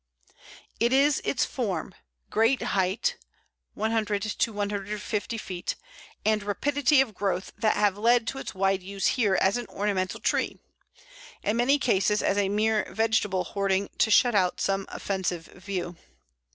It is its form, great height (100 to 150 feet), and rapidity of growth that have led to its wide use here as an ornamental tree in many cases as a mere vegetable hoarding to shut out some offensive view.